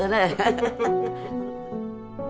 ハハハハッ